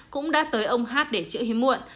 cũng đã tới ông h để chữa hiếm muộn